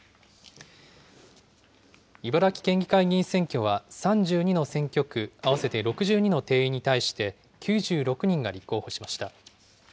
茨城県議会議員選挙は、３２の選挙区合わせて６２の定員に対して、９６人が立候補しました。